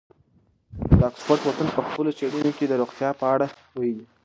د اکسفورډ پوهنتون په خپلو څېړنو کې د روغتیا په اړه ویلي.